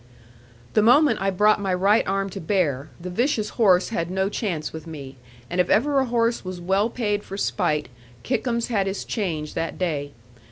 The moment I brought my right arm to bear, the vicious horse had no chance with me; and if ever a horse was well paid for spite, Kickums had his change that day.